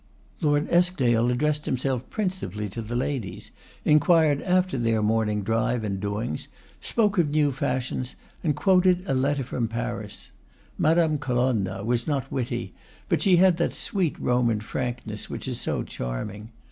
Lord Eskdale addressed himself principally to the ladies; inquired after their morning drive and doings, spoke of new fashions, and quoted a letter from Paris. Madame Colonna was not witty, but she had that sweet Roman frankness which is so charming.